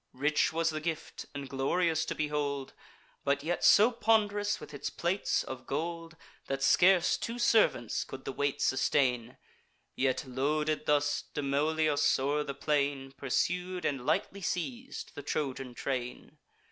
Rich was the gift, and glorious to behold, But yet so pond'rous with its plates of gold, That scarce two servants could the weight sustain; Yet, loaded thus, Demoleus o'er the plain Pursued and lightly seiz'd the Trojan train.